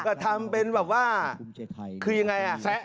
ก็ทำเป็นแบบว่าคือยังไง